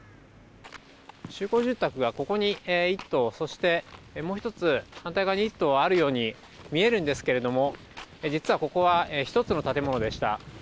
集合住宅がここに１棟、そしてもう１つ反対側に１棟あるように見えるんですけれども、実はここは１つの建物でした。